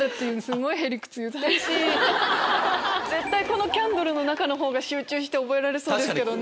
このキャンドルの中のほうが集中して覚えられそうですけど。